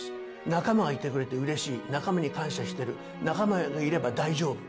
仲間がいてくれてうれしい、仲間に感謝してる、仲間がいれば大丈夫。